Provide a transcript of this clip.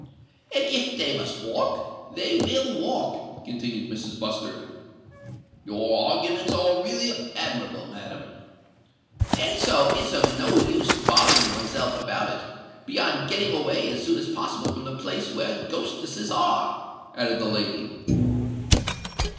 "And if they must walk, they will walk," continued Mrs. Bustard. "Your arguments are really admirable, madam." "And so it's of no use bothering oneself about it—beyond getting away as soon as possible from the place where ghostesses are," added the lady.